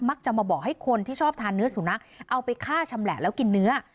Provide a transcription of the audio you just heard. จะมาบอกให้คนที่ชอบทานเนื้อสุนัขเอาไปฆ่าชำแหละแล้วกินเนื้อ